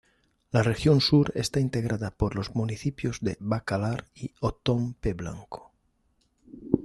La región Sur está integrada por los municipios de Bacalar y Othón P. Blanco.